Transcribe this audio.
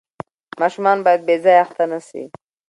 ماشوم باید بې ځایه اخته نه سي.